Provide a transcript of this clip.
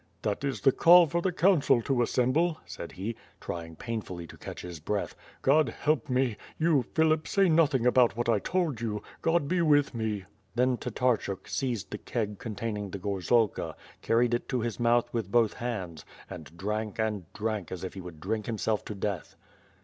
"That is the call for the council to assemble," said he, trying painfully to catch his breath. "God help mo, you, Philip, say nothing about what I told you; God be with me." Then Tatarchuk seized the keg containing the gorzalka, carried it to his mouth with both hands, and drank and drank as if he would drink himself to death.